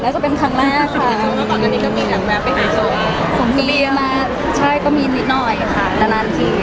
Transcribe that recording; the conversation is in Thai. แค่ที่เป็นขั้นมากค่ะ